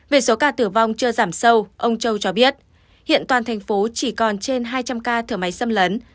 về số ca tử vong chưa giảm sâu ông châu cho biết hiện toàn thành phố chỉ còn trên hai trăm linh ca thở máy xâm lấn